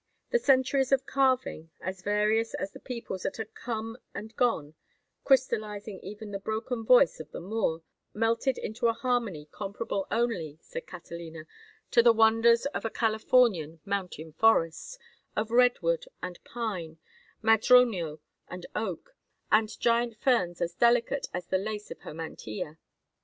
The centuries of carving, as various as the peoples that had come and gone, crystallizing even the broken voice of the Moor, melted into a harmony comparable only, said Catalina, to the wonders of a Californian mountain forest—of redwood and pine, madroño and oak, and giant ferns as delicate as the lace of her mantilla.